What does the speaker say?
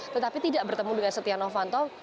tetapi tidak bertemu dengan setia novanto